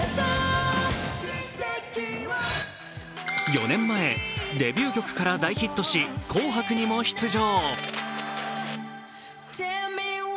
４年前、デビュー曲から大ヒットし「紅白」にも出場。